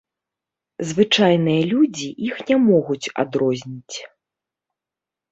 Звычайныя людзі іх не могуць адрозніць.